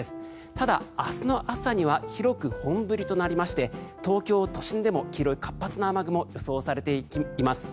ただ、明日の朝には広く本降りとなりまして東京都心でも黄色い活発な雨雲が予想されています。